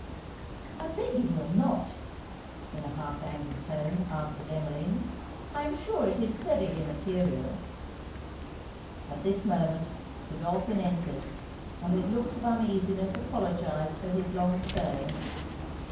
'I beg you will not,' in an half angry tone, answered Emmeline 'I am sure it is very immaterial.' At this moment Godolphin entered; and with looks of uneasiness apologized for his long stay.